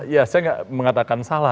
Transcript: ya saya nggak mengatakan salah